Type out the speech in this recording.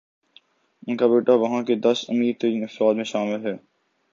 ان کا بیٹا وہاں کے دس امیرترین افراد میں شامل ہے۔